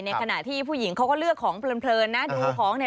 ในขณะที่ผู้หญิงเขาก็เลือกของเพลินนะ